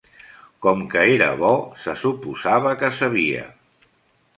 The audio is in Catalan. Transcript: Com que era bo, se suposava que sabia.